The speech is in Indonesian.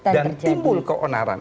dan timbul keonaran